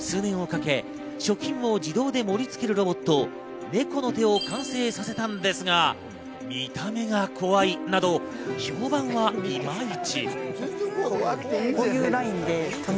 数年をかけ、食品を自動で盛り付けるロボット、ＮＥＫＯＮＯＴＥを完成させたんですが、見た目が怖いなど評判はイマイチ。